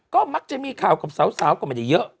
ก็มักจะมีข่าวกับสาวก็ไม่ได้เยอะ